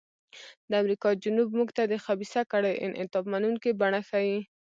د امریکا جنوب موږ ته د خبیثه کړۍ انعطاف منونکې بڼه ښيي.